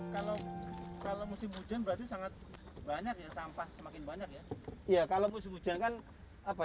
kalau musim hujan berarti sangat banyak ya sampah